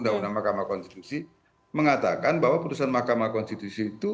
karena makam konstitusi mengatakan bahwa putusan mk itu